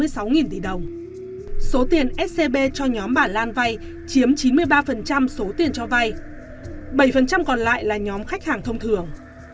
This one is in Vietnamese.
số tiền scb cho nhóm bà lan vay chiếm chín mươi ba số tiền cho vay bảy còn lại là nhóm khách hàng thông thường